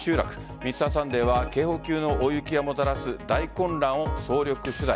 「Ｍｒ．サンデー」は警報級の大雪をもたらす大混乱を総力取材。